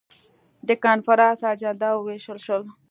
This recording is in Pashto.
د کنفرانس اجندا وویشل شول.